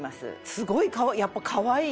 すごいやっぱかわいい！